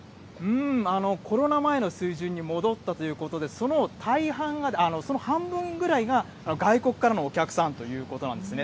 コロナ前の水準に戻ったということで、その半分ぐらいが外国からのお客さんということなんですね。